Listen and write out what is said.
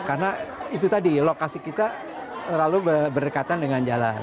karena itu tadi lokasi kita terlalu berdekatan dengan jalan